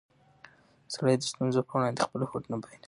سړی د ستونزو په وړاندې خپل هوډ نه بایلي